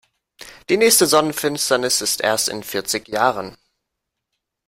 Die nächste Sonnenfinsternis ist erst in vierzehn Jahren.